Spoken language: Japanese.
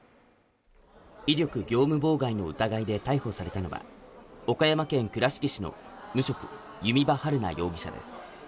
威力業務妨害の疑いで逮捕されたのは、岡山県倉敷市の無職、弓場晴菜容疑者です。